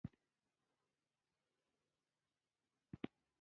غرونه زېرمې لري.